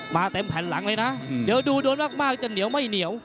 เต็มแผ่นหลังเลยนะเดี๋ยวดูโดนมากจะเหนียวไม่เหนียว